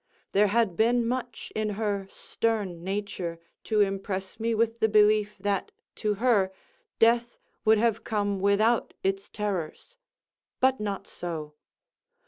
There had been much in her stern nature to impress me with the belief that, to her, death would have come without its terrors; but not so.